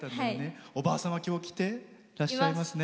おばあ様、今日来ていらっしゃいますね。